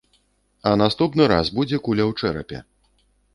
А наступны раз будзе куля ў чэрапе.